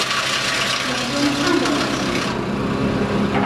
眼中看到的形象